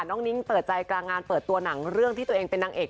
นิ้งเปิดใจกลางงานเปิดตัวหนังเรื่องที่ตัวเองเป็นนางเอก